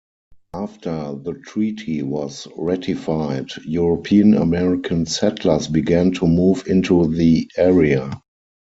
After the treaty was ratified, European-American settlers began to move into the area.